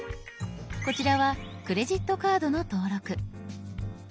こちらは「クレジットカード」の登録。